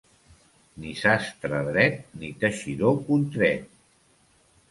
Ni sastre dret, ni teixidor contret.